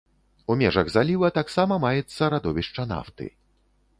У межах заліва таксама маецца радовішча нафты.